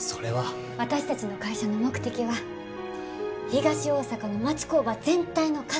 私たちの会社の目的は東大阪の町工場全体の活性化です。